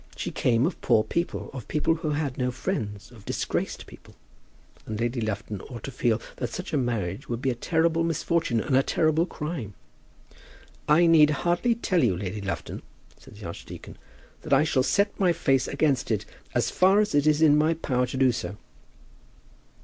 She came of poor people, of people who had no friends, of disgraced people; and Lady Lufton ought to feel that such a marriage would be a terrible misfortune and a terrible crime. "I need hardly tell you, Lady Lufton," said the archdeacon, "that I shall set my face against it as far as it is in my power to do so."